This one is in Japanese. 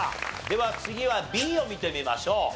では次はＢを見てみましょう。